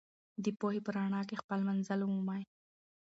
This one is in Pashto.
د پوهې په رڼا کې خپل منزل ومومئ.